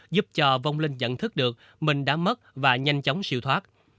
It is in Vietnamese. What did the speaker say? giúp cho vông linh nhận thức được mình đã mất và nhanh chóng siêu thoát